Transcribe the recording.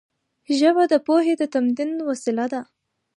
ژبه د پوهې او تمدن وسیله ده.